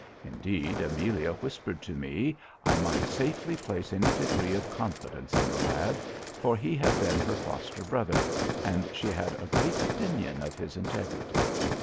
Indeed, Amelia whispered me, I might safely place any degree of confidence in the lad; for he had been her foster brother, and she had a great opinion of his integrity.